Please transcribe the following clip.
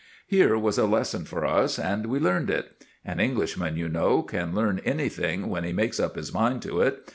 Here was a lesson for us, and we learned it. An Englishman, you know, can learn anything when he makes up his mind to it.